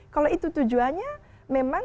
kalau itu tujuannya memang